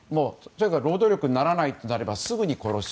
労働力にならないとなればすぐに殺す。